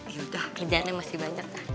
yaudah kerjaannya masih banyak